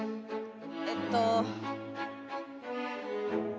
えっと。